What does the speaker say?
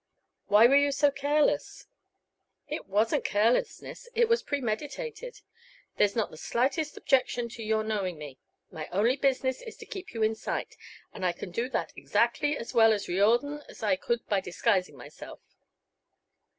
"Why were you so careless?" "It wasn't carelessness; it was premeditated. There's not the slightest objection to your knowing me. My only business is to keep you in sight, and I can do that exactly as well as Riordan as I could by disguising myself."